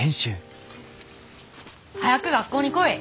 早く学校に来い。